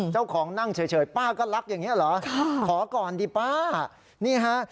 เจ้าของนั่งเฉยป้าก็รักอย่างนี้เหรอขอก่อนดีป้านี่ฮะ